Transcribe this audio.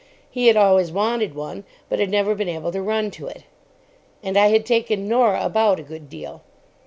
He had always wanted one, but had never been able to run to it. And I had taken Norah about a good deal.